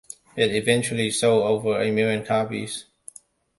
It eventually sold over a million copies.